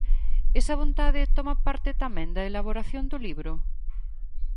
Esa vontade toma parte tamén da elaboración do libro?